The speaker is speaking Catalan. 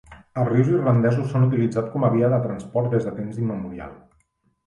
Els rius irlandesos s'han utilitzat com a via de transport des de temps immemorial.